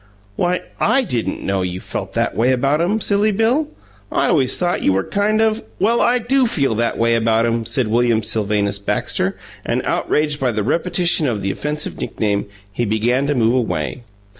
"Why, I didn't know you felt that way about 'em, Silly Bill. I always thought you were kind of " "Well, I do feel that way about 'em!" said William Sylvanus Baxter, and, outraged by the repetition of the offensive nickname, he began to move away.